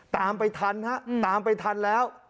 ตามไปทันฮะตามไปทันแล้ว